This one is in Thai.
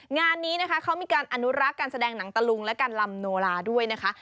งานนี้นะคะเขามีการอนุรักษ์การแสดงหนังตะลุงและการลำโนลาด้วยนะคะ